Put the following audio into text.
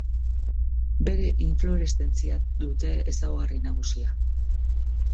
Bere infloreszentzia dute ezaugarri nagusia.